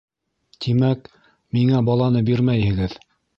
Тимәк, миңә баланы бирмәйһегеҙ?